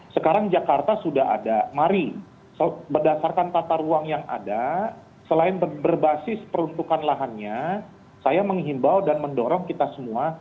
sekarang jakarta sudah ada mari berdasarkan tata ruang yang ada selain berbasis peruntukan lahannya saya menghimbau dan mendorong kita semua